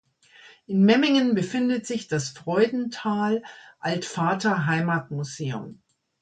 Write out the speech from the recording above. In Memmingen befindet sich das "Freudenthal-Altvater-Heimatmuseum".